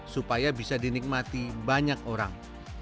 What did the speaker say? supaya bisa dinikmati banyak orang